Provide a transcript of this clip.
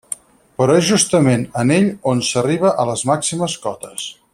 Però és justament en ell on s'arriba a les màximes cotes.